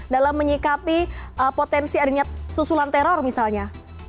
dalam menyikapi potensi adanya susulan teror misalnya